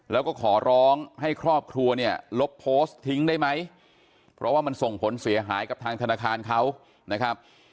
แล้วก็ขอร้องให้ครอบครัวเนี่ยลบโพสต์ทิ้งได้ไหมเพราะว่ามันส่งผลเสียหายกับทางธนาคารเขานะครับ